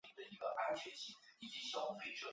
亦是女高音穆拉汶娜的侄儿。